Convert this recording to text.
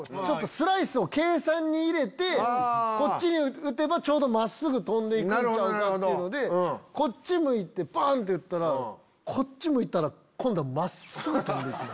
スライスを計算に入れてこっちに打てば真っすぐ飛んで行くんちゃうかっていうのでこっち向いてバンって打ったらこっち向いたら今度は真っすぐ飛んで行った。